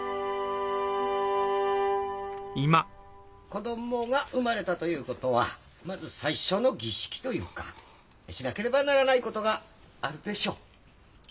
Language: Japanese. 子どもが産まれたということはまず最初の儀式というかしなければならないことがあるでしょう？